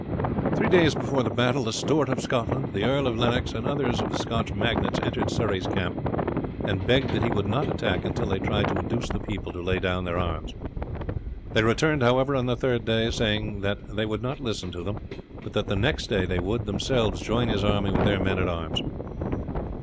Three days before the battle the Steward of Scotland, the Earl of Lennox, and others of the Scotch magnates entered Surrey's camp and begged that he would not attack until they tried to induce the people to lay down their arms. They returned, however, on the third day saying that they would not listen to them, but that the next day they would, themselves, join his army with their men at arms.